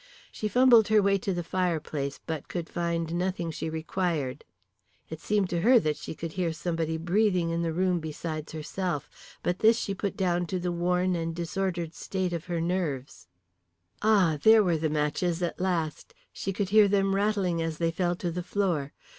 She fumbled her way to the fireplace, but could find nothing she required. It seemed to her that she could hear somebody breathing in the room besides herself. But this she put down to the worn and disordered state of her nerves. Ah, there were the matches at last. She could hear them rattling as they fell to the floor.